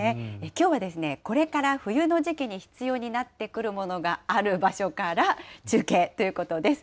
きょうはですね、これから冬の時期に必要になってくるものがある場所から中継ということです。